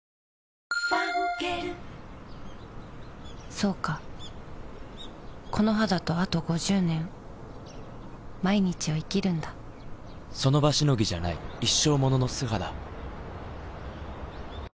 そうかこの肌とあと５０年その場しのぎじゃない一生ものの素肌